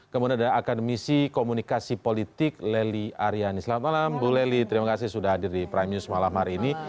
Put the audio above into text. kemudian ada akademisi komunikasi politik leli aryani selamat malam bu leli terima kasih sudah hadir di prime news malam hari ini